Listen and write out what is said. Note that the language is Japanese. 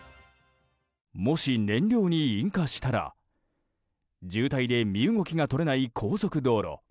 もし燃料に引火したら渋滞で身動きが取れない高速道路。